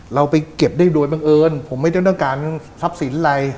เราไปเก็บได้โดยบังเอิญผมไม่ต้องการทรัพย์สินอะไร